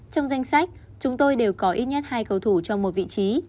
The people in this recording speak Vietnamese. trong danh sách chúng tôi đều có ít nhất hai cầu thủ trong một vị trí